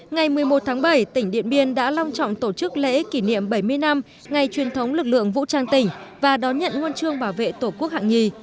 ngày một mươi một tháng bảy tỉnh điện biên đã long trọng tổ chức lễ kỷ niệm bảy mươi năm ngày truyền thống lực lượng vũ trang tỉnh và đón nhận huân chương bảo vệ tổ quốc hạng nhì